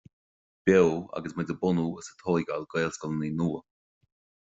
Beo agus muid ag bunú agus ag tógáil Gaelscoileanna nua